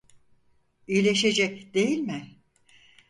İyileşecek, değil mi?